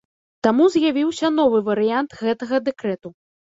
Таму з'явіўся новы варыянт гэтага дэкрэту.